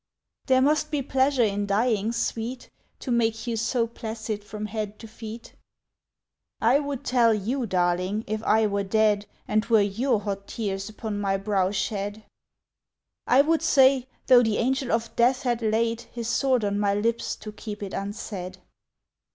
"There must be pleasure in dying, sweet, To make you so placid from head to feet! "I would tell you, darling, if I were dead, And 'twere your hot tears upon my brow shed, "I would say, though the angel of death had laid His sword on my lips to keep it unsaid.